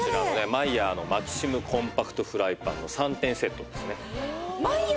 マイヤーのマキシムコンパクトフライパンの３点セットですね。